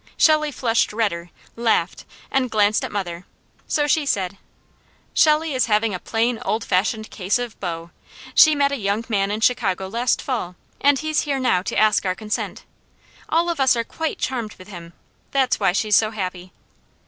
Shelley flushed redder, laughed, and glanced at mother, so she said: "Shelley is having a plain old fashioned case of beau. She met a young man in Chicago last fall and he's here now to ask our consent. All of us are quite charmed with him. That's why she's so happy."